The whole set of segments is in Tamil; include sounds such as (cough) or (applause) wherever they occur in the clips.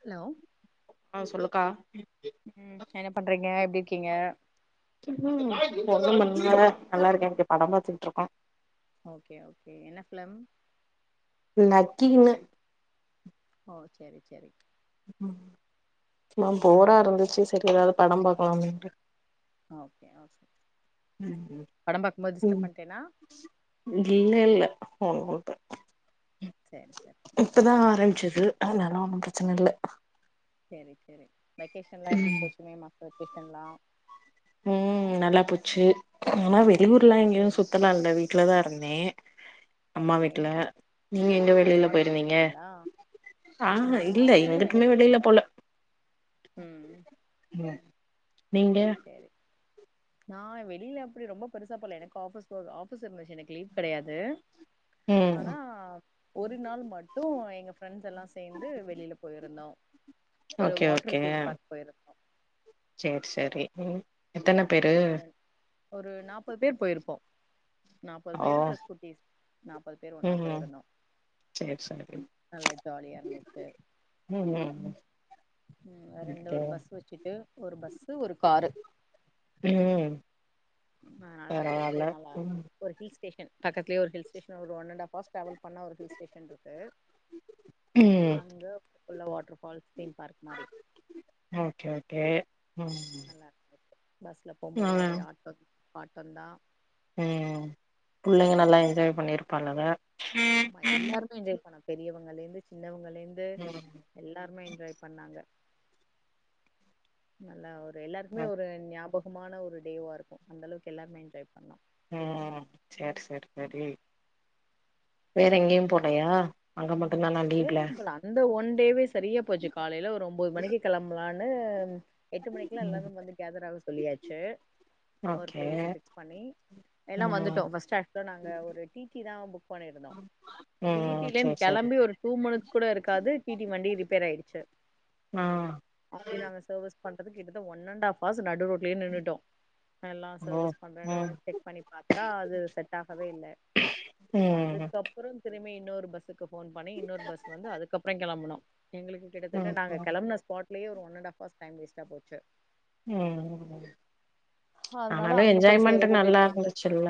ஹலோ ஆ சொல்லுக்கா உம் என்ன பண்றீங்க எப்டி இருக்கீங்க உம் (unintelligible) நேர நல்லா இருக்கேன் இன்னைக்கு படம் பாத்துட்டு இருக்கோம் ஓகே ஓகே என்ன ஃபிலிம் லக்கிங்க ஓ செரி செரி ம் போரா இருந்துச்சு சரி ஏதாவது படம் பாக்கலாம் அப்படீன்ட்டு ஓகே ஓகே ம் படம் பாக்கும்போது டிஸ்டர்ப் ம் பண்ட்டேனா இல்ல இல்ல (unintelligible) சேரி சேரி இப்பதான் ஆரம்பிச்சது அதனால ஒன்னும் பிரச்சன இல்ல சேரி சேரி வெக்கேஷன்ல்லாம் எப்படி போச்சு மே மாச வெக்கேஷன்ல்லாம் உம் நல்லா போச்சு ஆனா வெளியூர்லாம் எங்கேயும் ம் சுத்தலாம் இல்ல வீட்லதான் இருந்தேன் அம்மா ஓகே வீட்டுல நீங்க எங்க அம்மா வெளில வீட்டுக்கு போயிருந்தீங்க போய்ட்டீங்களா ஆஹா இல்ல நானு எங்கட்டுமே எனக்கு வெளியில போல ம் (unintelligible) நீங்க சேரி நான் வெளியில அப்படி ரொம்ப பெருசா போல எனக்கு ஆபீஸ் போக ஆபீஸ் இருந்துச்சு எனக்கு லீவ் கிடையாது ம் ஆனா ஒரு நாள் மட்டும் எங்க ஃப்ரெண்ட்ஸ் எல்லாம் சேர்ந்து வெளியில போயிருந்தோம் ஒரு ஓகே வாட்டர் தீம் பார்க் போயிருந்தோம் செர் செரி ம் கிட்டத்தட்ட ஒரு ஒரு நாப்பது பேர் போயிருப்போம் நாப்பது ஓ பேர் ப்ளஸ் குட்டிஸ் நாப்பது பேர் ஒன்னா ம் ம் போயிருந்தோம் சேரி சேரி நல்லா ஜாலியா இருந்துச்சு ம் ம் உம் ரெண்டு ஓகே ஒரு பஸ் வச்சுட்டு ஒரு பஸ்ஸு ஒரு காரு உம் அதனால போயிட்டு நல்லா ம் ஒரு ஹில் ஸ்டேஷன் பக்கத்துலயே ஒரு ஹில் ஸ்டேஷன் ஒரு one and half hours travel பண்னா ஒரு ஹில் ஸ்டேஷன் இருக்கு ம் அங்க ஃபுல்லா வாட்டர்ஃபால்ஸ் தீம் பார்க் மாரி ஓகே ஓகே ம் நல்லா இருக்கும் பஸ்ல போம்போதும் ஒரே ம் ஆட்டோ பாட்டம் தா ம் புள்ளைங்க நல்லா என்ஜாய் பண்ணி இருப்பாங்கல்ல ஆமா எல்லாருமே என்ஜாய் பன்னாங்க பெரியவுங்கல இருந்து சின்னவுங்கலே இருந்து ம் எல்லாருமே என்ஜாய் பண்ணாங்க நல்ல ஒரு எல்லாருமே ம் ஒரு ஞாபகமான ஒரு டேவா இருக்கும் அந்த அளவுக்கு எல்லாமே என்ஜாய் பண்ணோம் உம் சேரி சேரி சேரி வேற எங்கேயும் போலையா அங்க மட்டும் தானா வேற எங்கையு போல அது அது ஒன் டேவே சரியா போச்சு காலையில ஒரு ஒன்பது மணிக்கு கிளம்பலான்னு எட்டு மணிக்கெல்லா ம் எல்லாரும் இங்க வந்து கேதர் ஆக சொல்லியாச்சு ஒரு ஓகே பிளேஸ ஃபிக்ஸ் பண்ணி எல்லாம் ம் வந்துட்டோம் ஃபர்ஸ்ட் அக்சுல நாங்க ஒரு டி கி தா புக் பண்ணியிருந்தோம் ம் சேரி வீட்டிலந்து சேரி கிளம்பி ஒரு டூ மினிட்ஸ் கூட இருக்காது டி டி வண்டி ரிப்பேர் ஆயிடுச்சு ஆ அங்கயே நாங்க சர்விஸ் பண்றதுக்கு கிட்டத்தட்ட ஒன் அண்ட் ஹஃப் ஹர்ஸ் நடு ரோட்லயே நின்னுட்டோ எல்லா ஓ சர்வீஸ் பண்றேன்னு ம் செக் பண்ணி பாத்தா அது செட் ஆகவே இல்ல ம் அப்புறோ திரும்பி இன்னொரு பஸ்ஸுக்கு ஃபோன் பண்ணி இன்னொரு பஸ் வந்து அதுக்கப்புற கிளம்பனோ எங்களுக்கு கிட்டத்தட்ட ம் நாங்க கிளம்பனா ஸ்பாட்லயே ஒரு one and half hours time வேஸ்ட்டா போச்சு ம் அதுனால ஆனாலு அங்க போய் என்ஜாய்மெண்ட் சேரவு லேட் நல்லா ஆயிடுச்சு இருந்துச்சுல்ல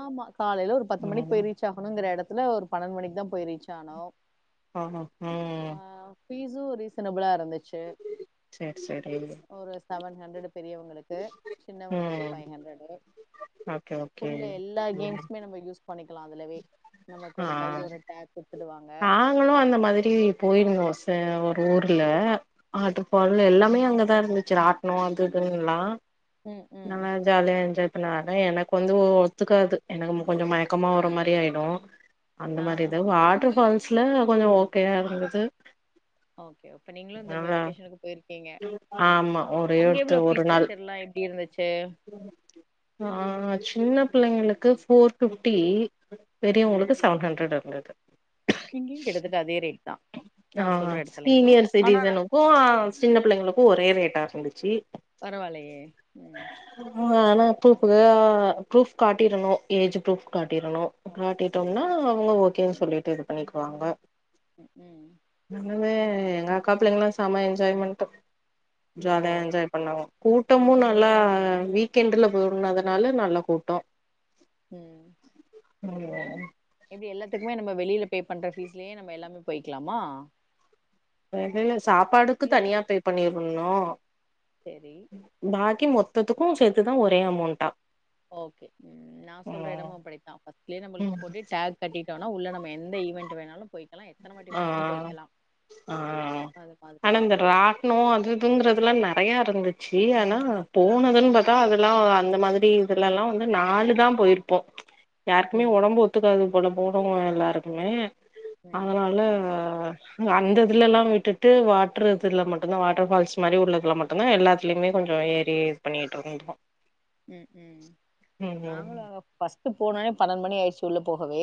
ஆமா காலையில ஒரு பத்து மணிக்கு ம் போய் ரீ ச் ஆகனுங்கிற இடத்துல ஒரு பனெண்டு மணிக்கு தா போய் ரீச் ஆனோ ஆஹ ஆ ம் ஃபீஸு ரீசனபிளா இருந்துச்சு சேரி சேரி ஒரு செவன் ஹண்ட்ரடு பெரிய வங்களுக்கு சின்னவங்களுக்கு ம் ஃபை ஹண்ட்ரடு ஓகே ஓக் ஃபுல்ல எல்லா கேம்ஸுமே நம்ம யூஸ் பண்ணிக்கலா அதிலவே நமக்கு ஆ ஒரு கையில ஒரு டேக் குடுத்துடுவாங்க நாங்களு அந்த மாரி போயிருந்தோ சார் ஒரு ஊர்ல வாட்டர்ஃபால் ம் ம் எல்லாமே அங்கதா இருந்துச்சு ராட்னோ அது இதுன்ல்லா ம் ம் நல்லா ஜாலியா என்ஜாய் பண்ண ஆனா எனக்கு வந்து ஒத்துக்காது எனக்கு கொஞ்ச மயக்கமா வற மாரி ஆயிடு அந்த ஆ மாரி ஆ இது வாட்டர்ஃபால்ஸ்ல கொஞ்ச ஓகேயா இருந்தது ஓகே ஓ அப்ப நீங்களு இந்த நல்லா வெகேஷனுக்கு போயிரு க்கிங்க ஆமா ஒரே அங்க ஒருத்த எவ்ளோ ஒரு பீஸ் நாள் ஸ்ட்ரக்சர் எல்லா எப்டி இருந்துச்சு ஆ சின்ன பிள்ளைங்களுக்கு ஃபோர் பிஃப்டி ம் பெரியவங்களுக்கு செவன் ஹண்ட்ரடு இருந்தது இங்கயு கிட்டத்தட்ட அதே ரேட் தா நா சொல்ற இடத்துலயு ஆனா க்கு சின்ன பிள்ளைங்களுக்கு ஒரே ரேட்டா இருந்துச்சு பரவால்லயே ம் ஆ ஆனா அப்பப்புக்கு ப்ரூப் காட்டிடணு ஏஜ் ப்ரூப் காட்டிரணு ஓ காட்டிட்டோம்னா புரியுது அவுங்க ஓகேன்னு சொல்லிட்டு இது பண்ணிக்குவாங்க ம் ம் நல்லாவே எங்க அக்கா பிள்ளைங்களா செம என்ஜாய்மெண்ட் ஓ ஜாலியா என்ஜாய் சூப்பர் பண்ணாங்க கூட்டமு நல்லா வீக்கெண்ட்டுல போயிருந்ததுனால நல்ல கூட்டோ ம் ம் எப்டி எல்லாத்துக்குமே நம்ப வெளியில பே பண்ற ஃபீஸ்லயே நம்ம எல்லாமே போயிக்கலாமா வெளில சாப்பாடுக்கு இல்ல தனியா பே பண்ணிருணு சேரி பாக்கி மொத்தத்துக்கு சேர்த்துதா ஒரே அமௌண்ட்டா ஓகே ம் நா சொல்ற எடமு அப்படித்தா பஃர்ஸ்ட்லயே நம்மளுக்கு ம் போட்டுட் டேக் கட்டிட்டோனா உள்ள நம்ம எந்த ஈவெண்ட் வேணாலு போய் க்கலா எத்தனை வாட்டி ஆ வேணாலு போய்க்கலா அது மாதிரி தா இருந்துச்சு னோ அதுதுங்கறதுலா நறைய இருந்துச்சு ஆனா போனதுன்னு பாத்தா அதெல்லா அந்த மாதிரி அதுலல்லா வந்து நாலு தா போயிருப்போ யாருக்குமே ம் ஒடம்பு ஒத்துக்காது போல போனவங்க எல்லாருக்குமே ம் அதனால அந்த இதுல எல்லா விட்டுட்டு வாட்டர் இதுல மட்டும்தா வாட்டர் ஃபால்ஸ் மாரி உள்ளதுல மட்டு ந்தா எல்லாத்துலயுமே கொஞ்ச ஏறி இது பண்ணிட்டு இருந்தோ ம் ம் ம் நாங்களோ ம் ஃபர்ஸ்ட் போனோன பன்னெண்டு மணி ஆயிடுச்சு உள்ள போகவே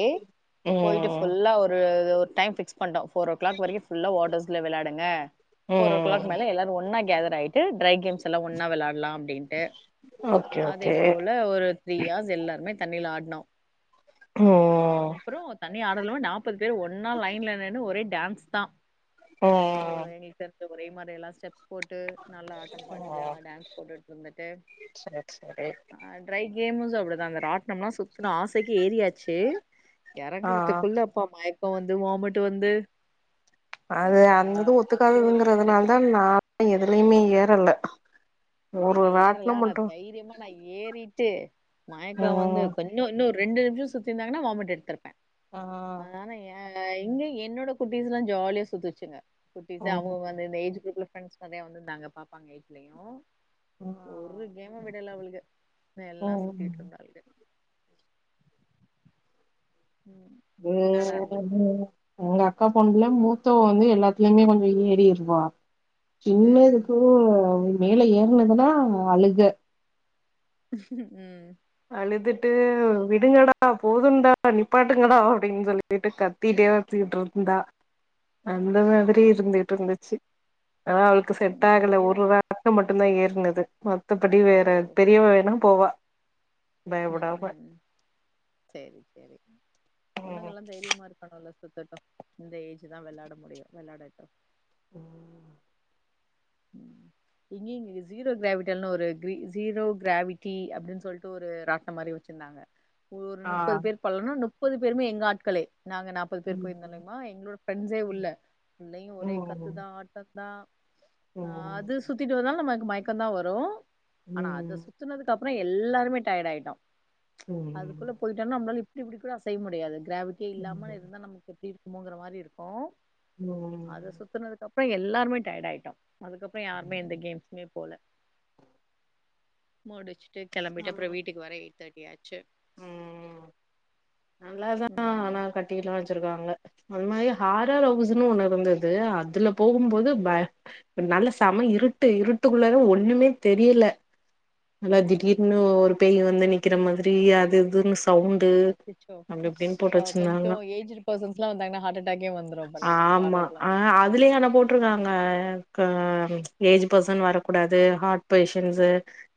போயிட்டு ம் ஃபுல்லா ஒரு ஒரு டைம் ஃபிக்ஸ் பண்டோ ஃபோர் ஓ கிளாக் வரைக்கு ஃபுல்லா வாட்டர்ஸ்ல விளையாடுங்க போர் ஒ கிளாக் ம் மேல எல்லாரு ஒன்னா கேதர் ஆயிட்டு ட்ரை கேம்ஸ் எல்லா ஒன்னா விளாடலா அப்டின்ட்டு ஓகே அதே ஓகே போல ஒரு த்ரீ ஹார்ஸ் எல்லாருமே தண்ணில ஆட்னோ ம்ம்ம் அப்புறோ தண்ணி ஆடல நாற்பது பேர் ஒன்னா லைன்ல நின்னு ஒரே டான்ஸ் தா ஓ ம் எங்களுக்கு தெரிஞ்ச ஒரே மாரி எல்லா ஸ்டெப்ஸ் போட்டு நல்லா ஆட்டம் பாட்டி யா ம் டான்ஸ் போட்டுட்டு இருந்துட்டு சரி சரி ஆ ட்ரை கேம்ஸ் அப்டிதாங்க ராட்ணம் எல்லா சுத்துணோ ஆசைக்கு ஏறியாச்சு ஆ ஆ எறங்கறதுக்குள்ள அப்பா மயக்கம் வந்து வாமிட்டு் வந்து ஆ அது அந்தது அதுவு இருந்துச்சு ஒத்துக்காததுங்கறதுனால தா நா போய் எதுலயுமே ஏறல ஒரு நீங்க ஏறல ராட்னம் ஆனா மட்டு தைரியமா நா ஏறிட்டு மயக்கோ வந்து ம் கொஞ்சோ இன்னொ இன்னொரு ரெண்டு நிம்ஷோ சுத்தி இருந்தாங்கன்னா வாமிட் எடுத்திருப்பே ஆ இங்க என்னோட குட்டிஸ்ல்லா ஜாலியா சுத்துச்சுங்க குட்டிஸ் ம் அவங்கவங்க வந்து இந்த ஏஜ் குரூப் ஃப்ரெண்ட்ஸ் நெரைய வந்துதிருந்தாங்க பாப்பாங்க வீட்லயு ஒரு கேம விடலை அவளுக எல்லா ம் சுத்திட்டு இருந்தாளுக ம் ம், உம் நல்லா உ உம் இருந்துச்சு (unintelligible) எங்க அக்கா பொண்ணுல மூத்தவ வந்து எல்லாத்திலயுமே கொஞ்சோ ஏறிட்டுப் போனா சின்ன ம் இதுக்கு மேல ஏறுனதுதா அழுக ம் அழுதுட்டு விடுங்கடா போதுன்டா நிப்பாட்டுங்கடா அப்டின்னு சொல்லி விட்டு கத்திட்டே வச்சுக்கிட்டு இருந்தா (inaudible) அந்த ஆ மாதிரி இருந்துகிட்டு இருந்துச்சு ஆ அவளுக்கு செட் ம் ஆகல இங்கயு ஒரு வாரத்க்கு மட் டுதா ஏறினது மத்தபடி ஓ வேற பெரியவ வேணா போவா ம் பயப்படாம ம் சேரி சேரி ம் பொண்ணுங்கல்லா தைரியமா இருக்காங்கல்ல சுத்தட்டோ இந்த ஏஜ் தா விளாட முடியும் விளையாடட்டோ உம் உம் இங்கேய இங்க ஜீரோ கிராவிட்டல்னு ஒரு க ஜீரோ கிராவிட்டி அப்டின்னு சொல்ட்டு ஒரு ராட்ணம் மாரி வச்சிருந்தாங்க ஒரு ஆ முப்பது பேர் போல்லனா முப்பது பேருமே எங்க ஆட்களே நாங்க நா முப்பது பேர் ம் போயிருந்தாலயுமா எங்களோட ஃபிரெண்ட்ஸே உள்ள உள்ளயு ஒரே ம் கத்துதா ஆட்ட தா ஆ ம் அது சுத்திட்டு வந்தாலு நமக்கு மயக்கம்தா வரு ஆனா அத ம் சுத் சுத்துனதுக்கு அப்புற எல்லாருேமே டயர்ட் ஆயிட்டோ ம் அதுக்குள்ள போயிட்டோனா நம்ளால இப்டி அப்டி கூட அசய முடியாது கிராவிட்டியே இல்லாம ம் இருந்தா நமக்கு எப்டி இருக் முங்குற மாரி இருக்கோ அதை ம் சுத்துனதுக்குப்புறோ எல்லாருமே டயர்ட் ஆயிட்டோ அதுக்கப்பு இப்ப ஆமா யாருமே எந்த கேம்ஸுமே போல முடிச்சுட்டு கிளம்பிட்டு அப்புறோ வீட்டுக்கு வர எயிட் தேர்ட்டி ஆச்சு ம் நல்லாதானா ம் ஆனா கட் டில்லாம் வச்சிருக்காங்க அது மாரி ஹாரர் ஹவுஸ்ன்னு ஒன்னு இருந்தது அதுல போகும்போது ம் ப நல்ல செம இருட்டு இருட்டுக்குள்ள ஒண்ணுமே தெரில நல்லா ம் திடீர்னு ஒரு பேய் வந்து நிக்கிற மாதிரி அது எதுன்னு சவுண்ட் அச்சச்சோ அ கொஞ்சொ ஏஜுடு பெர்சன்ஸ்லா வந்தாங்னா ஹார்ட் அட்டாக்கே வந்துரு அப்பன்னா ஹாரர்லா போனா விட்ருக்காங்க க ஏஜ் பெர்சன் வரக்கூடாது ஹார்ட் பேஷன்ஸு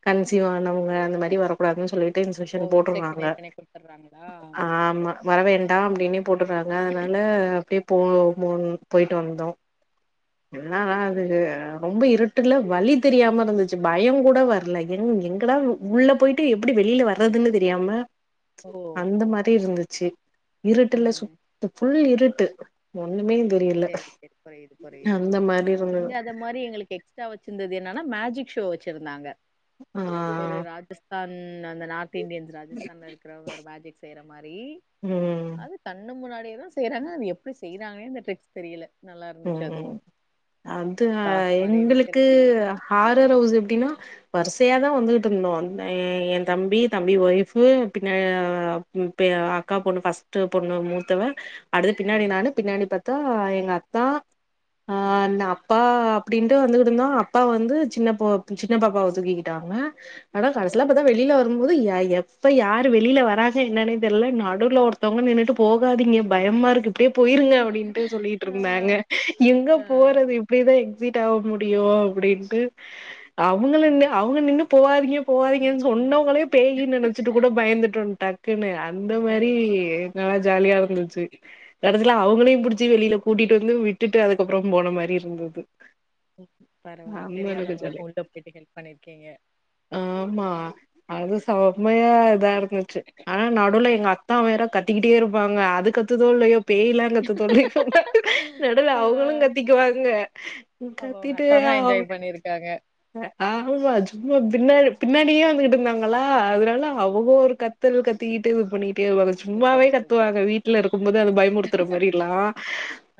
கன்சிவானவுங்க அந்த மாரி வரக்கூடாதுன் சொல்லிட்டு இன்செக்ஷன் போட்ருந்தாங்க வர்றாங்க ஆமா வரவேண்டா அப்டின்னே போட்ருக்காங்க அதனால அப்டியே போ போன் பொயிட்டு வந்தோ என்னாதா சேரி இருக்கு அ ரொம்ப இருட் டுல வழி தெரியாம இருந்துச்சு பயொங்கூட வரல எங் எங்கடா உள்ள பொயிட் டு எப்டி வெளியில வர்றதுன்னு தெரியாம ஓ அந்த மாரி இருந்துச்சு இருட்டுல ம் சுத் ஃபுல் இருட்டு ஒண்ணுமே தெரியல சேரி அந்த மாரி இருந்தது இந்த மாரி எங்களுக்கு எக்ஸ்ட்ரா வச்சிர்ந்தது என்னனா மேஜிக்ஷோ வச்சிருந்தாங்க ஆஹ் ஒரு ராஜஸ்தான் அந்த நார்த் இண்டியன்ஸ் ராஜஸ்தான்ல இருக்றவங்க ஒரு மேஜிக் செய்ற மாரி ம் அது கண்ணு முன்னாடியேதா செய்றாங்க அது எப்டி செய்றாங்கனே தெர் ட்ரிக்ஸ் தெரியல நல்லார் ம் அது அ காசு மறைய எங்களுக்கு வைக்கிறது ஹாரர் ஹவுஸ் எப்டினா வரிசையாதா வந்துகுட் ருந்தோ ஏ ஏ ம் தம்பி தம்பி ஒய்ஃபு பின்னா அ பெ அக்கா பொண்ணு ஃபஸ்ட்டு பொண்ணு மூத்தவ அடுத்து பின்னாடி ம் நானு பின்னாடி பாத்தா எங்க அத்தா ஆ ம் நா அப்பா அப்டின்ட்டு வந்துகுட்ருந்தோ அப்பா வந்து சின்னப்பொ சின்ன பாப்பாவ தூக்கிக்கிட்டாங்க ஆனா கடைசில ம் பாத்தா வெளிலோ போம்போது ய எப்ப யாரு வெளியில வராங்க என்னனே தெரில்ல நடுவுல ஒருத்தொவ்ங்க நின்னுட்டு போகாதிங்க பயமா இருக்குத் அப்டியே பொயிருங்க அப்டின்ட்டு ஆ சொல்லிய்ட்ருந்தாங்க எங்க ஆ போறது இப்டிதா எக்ஸிட் ஆவ முடியூ அப்டின்ட்டு அவுங்கலென்ன ம் அவுங் அவுங்க நின்னு போவாதிங்க போவாதிங்கனு சொன்னவொங்களே பேயின் நெனச்சிட்டு கூட பயந்துட்டோ டக்குன்னு அ அந்த ஓ மாரி நல்லா ஜாலியா இருந்துச்சு கடைசில அவங்களையு புடிச்சி வெளிலப் கூட்டிட்டு வந்து விட்டுட்டு அதுக்கப்றோ போன மாரி இருந்தது பரவால்ல அந்த அளவுக்கு தெரியாதவங்களுக் ஜாலி (unintelligible) பொயிட்டு ஹெல்ப் பண்ணிருக்கிங்க ஆமா அது சம்மையா இதா இருந்துச்சு ஆனா நடுவுல எங்க அ தா வேற கத்திட்டே இருப்பாங்க அது கத்துதோ இல்லயோ ம் பேய்லா கத்துதோ இல்லயோ நடுவுல ஆ அவுகளு கத்திக்குவாங்க அப்ப உங்க கத்திட்டு அத்தா தா அவ் என்ஜாய் பண்ணிருக்காங்க க ஆமா சும்மா பின்னாடு பின்னாடியே வந்துகிட்ருந்தாங்களா அதுனால அவொக ஒரு கத் துன் கத்திகிட்டு இது பண்ணிகிட் ஏ அவள சூப்பர் சும்மாவே சூப்பர் கத்துவாக வீட்ல ம் இருக்கும் போதே அந்த பயமுறுத்துற மாரியில்லா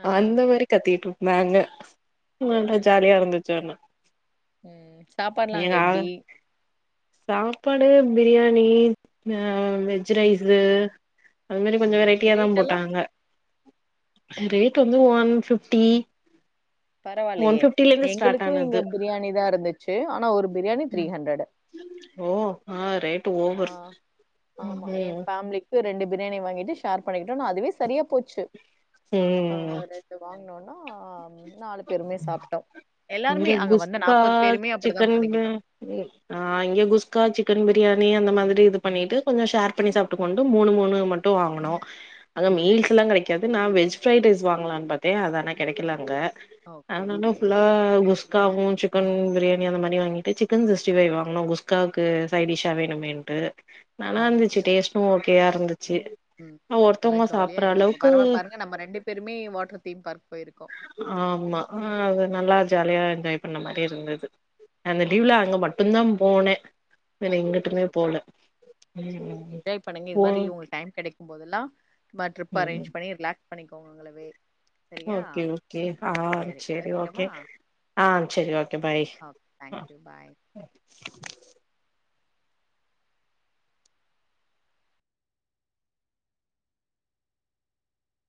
ஆ அந்த மாரி கத்திகிட்ருந்தாங்க நல்ல சேரி ஜாலியா சேரி இருந்துச்சு ஆனா ம் சாப்பாடுலா அங்க ஏனா எப்டி சாப்பாடு பிரியாணீ ஆ வெஜ் ரைஸூ அது மாரி கொஞ்சொ ம் வெரைட்டியாதா ரேட் எல்லா போட்டாங்க ரேக் வந்து ஒன் ஃபிஃப்டி ஒன் பரவால்லையே ஃபிஃப்டில இருந்து ஸ்டார்ட் எங்களுக்கு இங்க ஆனது பிரியாணிதா இருந்துச்சி ஆனா ஒரு பிரியாணி த்ரீ ஹண்ரடு ஓ ஆ ரேட் ஆ ஓவர் ஆமா ஏ ம் ஃபேம்லீ கு ரெண்டு பிரியாணி வாங்கிட்டு ஷேர் பண்ணிக்கிட்டோ ந அதுவே சரியா போச்சு ஆ ம் ரெ இத வாங்குனோனா நாளக் பெர்மே சாப்ட்டோ எல்லாருமே இங்க அங்க வந்த குஸ்கா நாப்பது பேருமே அப்டிதா சிக்கன் பண்ணிக்கிட்டோ (unintelligible) ஆ இங்க குஸ்கா சிக்கன் பிரியாணி அந்த மாதிரி இது பண்ணிட்டு கொஞ்சோ ஷேர் பண்ணி சாப்ட்டுகுவோன்ட்டு மூணு மூணு மட் டு வாங்குனோ அங்க மீல்ஸ் எல்லா கெடைக்காது நான் வெஜ் ஃப்ரைட் ரைஸ் வாங்கலான்னு பாத்தே அது ஆனா கெடக்கல அங்க ஓகே, ஆனாலு ஓகே. ஃபுல்லா குஸ் காவு சிக்கன் பிரியாணி அந்த மாரி வாங்கிட்டு சிக்கன் சிக்ஸ்டி ஃபை வாங்குனோ குஸ்காவுக்கு சைட்டிஷா வேணுமேன் டு ஆ நல்லா ஓகே, இருந்துச்சு ஓகே. டேஸ்ட்டு ஓகேயா இருந்துச்சு ம் நல்லா ஒருத்தவங்க ஜாலியா சாப்பற இப்ப அளவுக்கு பரவால பாருங்க நம்ம ரெண்டு பேருமே வாட்டர் தீம் பார்க் போயிருக்கோ ஆமா அது நல்லா ஜாலியா என்ஜாய் பண்ண மாரி இருந்தது அந்த ஆ லீவ்ல ஓகே. அங்க மட் டுந்தா போனே வேற எங்குட்டுமே போல செரி ம் என்ஜாய் பண்ணுங்க இது போ மாரி உங்களுக்கு டைம் கெடக்கும் போதெல்லா இதுமாரி ட்ரிப் ம் அரேஞ்ச் பண்ணி ரிலாக் பண்ணிக்கோங்க உங்களவே சரியா? ஓகே ஓகே ஆ சரி. சேரி ஓகே வைக்கட்டுமா? ஆ சேரி ஓகே பாய் ஓகே. ஆ தேங்க் யூ பாய்